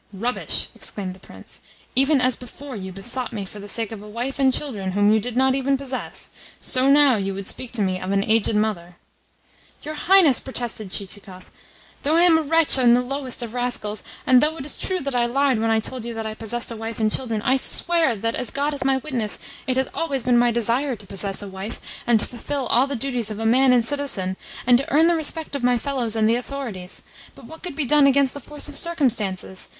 "Rubbish!" exclaimed the Prince. "Even as before you besought me for the sake of a wife and children whom you did not even possess, so now you would speak to me of an aged mother!" "Your Highness," protested Chichikov, "though I am a wretch and the lowest of rascals, and though it is true that I lied when I told you that I possessed a wife and children, I swear that, as God is my witness, it has always been my DESIRE to possess a wife, and to fulfil all the duties of a man and a citizen, and to earn the respect of my fellows and the authorities. But what could be done against the force of circumstances?